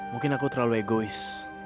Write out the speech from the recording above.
mungkin aku terlalu egois